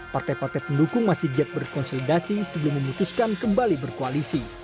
partai partai pendukung masih giat berkonsolidasi sebelum memutuskan kembali berkoalisi